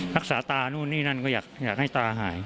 รักษาตานู่นนี่นั่นก็อยากให้ตาหาย